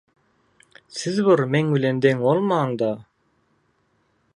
Siz bir meň bilen deň bolmaň-da...